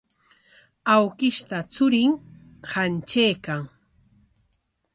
Awkishta churin hantraykan.